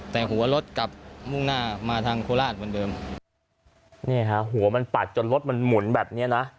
แต่หัวรถกลับมุ่งหน้ามาทางโคราชเหมือนเดิมเนี่ยฮะหัวมันปัดจนรถมันหมุนแบบเนี้ยนะ